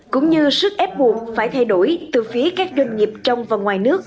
cũng như sức ép buộc phải thay đổi từ phía các doanh nghiệp trong và ngoài nước